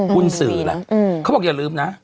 หุ้นสื่อล่ะเค้าบอกอย่าลืมนะ